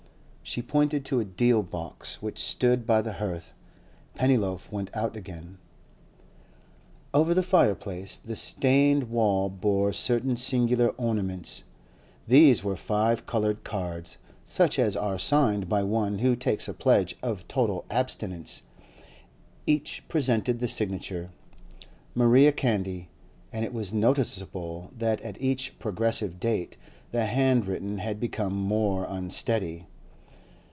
She pointed to a deal box which stood by the hearth. Pennyloaf went out again. Over the fireplace, the stained wall bore certain singular ornaments. These were five coloured cards, such as are signed by one who takes a pledge of total abstinence; each presented the signature, 'Maria Candy,' and it was noticeable that at each progressive date the handwriting had become more unsteady.